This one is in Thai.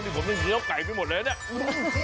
ผมจะเงียวไก่ไปหมดเลยนี่